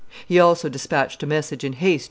He also despatched a message in haste to M.